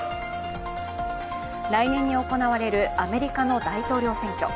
来年に行われるアメリカの大統領選挙。